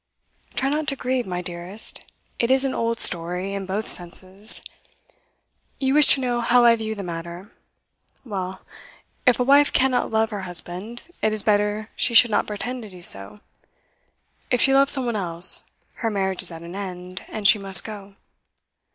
'Try not to grieve, my dearest. It is an old story, in both senses. You wish to know how I view the matter. Well, if a wife cannot love her husband, it is better she should not pretend to do so; if she love some one else, her marriage is at an end, and she must go.